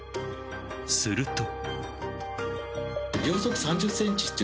すると。